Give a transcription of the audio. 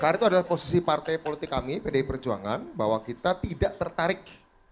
karena itu adalah posisi partai politik kami pdi perjuangan bahwa kita tidak tertarik